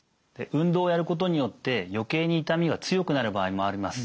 運動をやることによって余計に痛みが強くなる場合もあります。